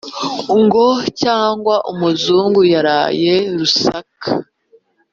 Ngo cyangwa umuzunguYaraye rusake